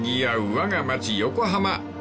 わが町横浜］